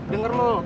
dengar lu tuh